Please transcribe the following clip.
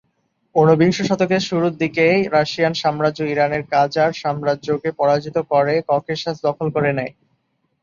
উনবিংশ শতকের শুরু দিকে রাশিয়ান সাম্রাজ্য ইরানের কাজার সাম্রাজ্যকে পরাজিত করে ককেশাস দখল করে নেয়।